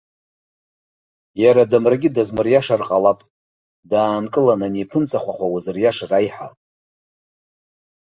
Иара адамрагьы дазмыриашар ҟалап, даанкылан ани иԥынҵа хәахәа узыриашар аиҳа.